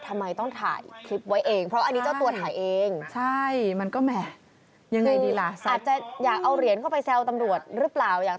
ทำไมต้องถ่ายคลิปไว้เองเพราะว่าอันนี้เจ้าตัวถ่ายเอง